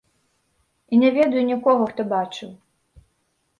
І не ведаю нікога, хто бачыў.